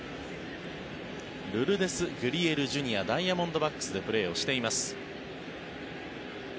ルルデス・グリエルＪｒ．ダイヤモンドバックスでプレーをしています。